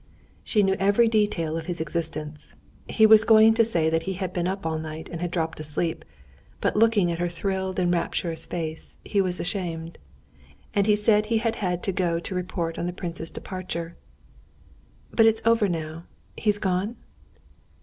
She knew every detail of his existence. He was going to say that he had been up all night and had dropped asleep, but looking at her thrilled and rapturous face, he was ashamed. And he said he had had to go to report on the prince's departure. "But it's over now? He is gone?"